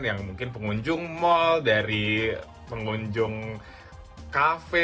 yang mungkin pengunjung mal dari pengunjung kafe